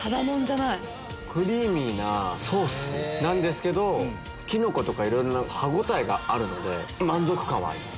クリーミーなソースなんですけどキノコとかいろいろ歯応えがあるので満足感あります。